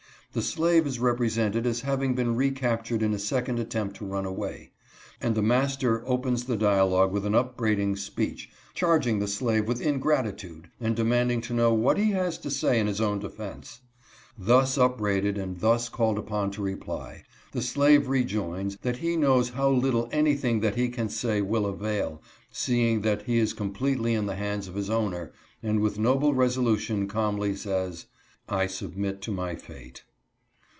/ The slave is represented as having been recaptured in a/ second_attempt to run^away ; and the master opens the? dialogue with anjinpbraiding~speech,~ charging the slave\ with ingratitude, and demanding to know what he has to 'v savjn his own defense. Thus upbraided and thus called upon to reply, the slave rejoins that he knows how little anything that he can say will avail, seeing that Tie is completely in the hands of his owner ; and with noble resolution, calmly says, " I submit to my fate."